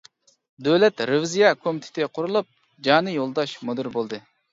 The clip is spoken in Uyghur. دۆلەت رېۋىزىيە كومىتېتى قۇرۇلۇپ، جانى يولداش مۇدىر بولدى.